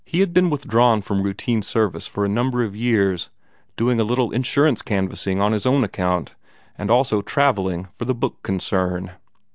He had been withdrawn from routine service for a number of years, doing a little insurance canvassing on his own account, and also travelling for the Book Concern.